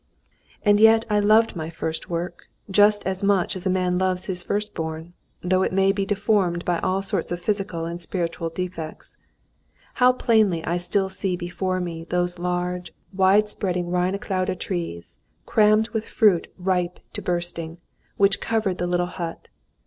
And yet I loved my first work, just as much as a man loves his first born, though it may be deformed by all sorts of physical and spiritual defects. How plainly I still see before me those large, wide spreading Reineclaude trees, crammed with fruit ripe to bursting, which covered the little hut.